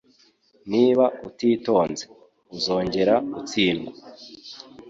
Niba utitonze, uzongera gutsindwa.